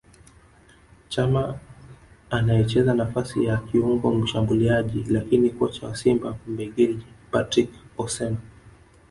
Chama anayecheza nafasi ya kiungo mshambuliaji lakini Kocha wa Simba Mbelgiji Patrick Aussems